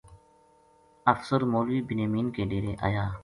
افسر مولوی بنیامین کے ڈیرے آیا